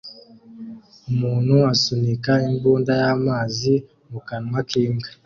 Umuntu asunika imbunda y'amazi mu kanwa k'imbwa